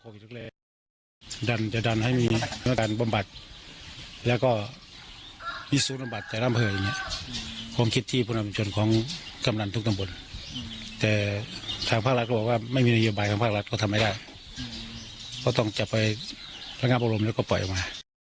ก็ต้องจับไว้ทางงานโปรโลมแล้วก็ปล่อยออกมา